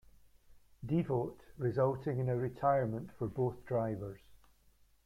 Devote resulting in a retirement for both drivers.